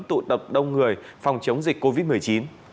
tụ tập đông người phòng chống dịch covid một mươi chín